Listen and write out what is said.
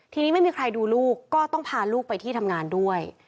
ทีนี้ไม่มีใครดูลูกก็ต้องพาลูกไปที่ทำงานด้วย